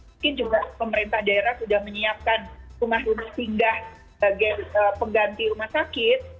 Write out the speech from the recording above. mungkin juga pemerintah daerah sudah menyiapkan rumah rumah singgah sebagai pengganti rumah sakit